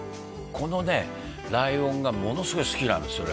このねライオンがものすごい好きなんですよ